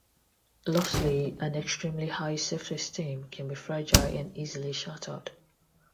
Lastly, an extremely high self-esteem can be fragile and easily shattered.